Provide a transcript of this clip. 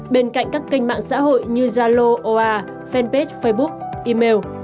bên cạnh các kênh mạng xã hội như zalo fanpage facebook email